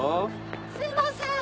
すいません！